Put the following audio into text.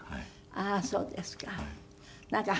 ああーそうですか。